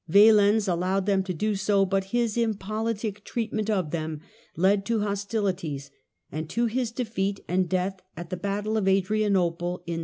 Valens allowed them to do so, but his impolitic treatment of them led to hostilities, and to his defeat and death at the battle of Adrianople in 378.